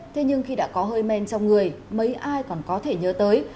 thế nhưng khi đã có hơi men trong người mấy ai còn có thể nhớ tới